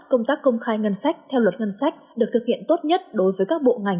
công tác công khai ngân sách theo luật ngân sách được thực hiện tốt nhất đối với các bộ ngành